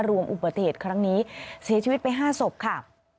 รวมอุบัติเหตุครั้งนี้เสียชีวิตไป๕ศพค่ะ